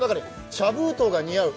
茶封筒が似合う？